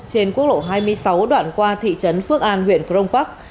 trên quốc lộ hai mươi sáu đoạn qua thị trấn phước an huyện kronbach